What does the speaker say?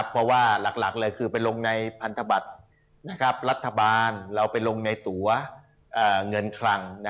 เพราะว่าหลักเลยคือไปลงในพันธบัตรรัฐบาลเราไปลงในตัวเงินคลัง